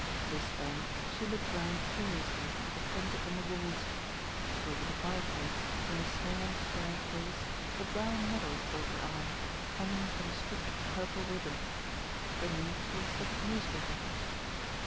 This done she looked round curiously at the prints upon the walls. Over the fireplace, in a small, square case, a brown medal caught her eye, hanging from a strip of purple ribbon. Beneath was a slip of newspaper cutting.